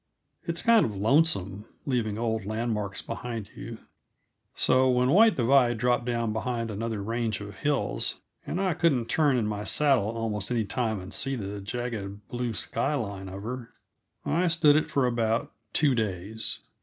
It's kind of lonesome, leaving old landmarks behind you; so when White Divide dropped down behind another range of hills and I couldn't turn in my saddle almost any time and see the jagged, blue sky line of her, I stood it for about two days.